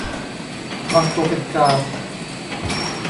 วางตัวเป็นกลาง